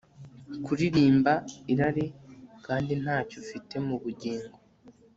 kuririmba irari, kandi ntacyo ufite mubugingo